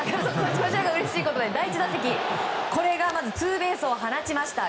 第１打席これがツーベースを放ちました。